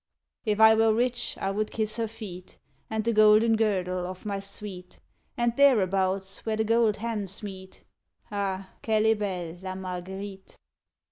_ If I were rich I would kiss her feet, And the golden girdle of my sweet, And thereabouts where the gold hems meet; _Ah! qu'elle est belle La Marguerite.